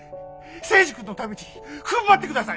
征二君のためにふんばってください！